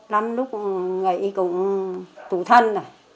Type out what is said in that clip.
năm lúc nghỉ cũng tù thân